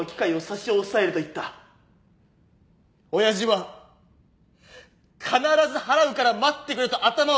親父は必ず払うから待ってくれと頭を下げた。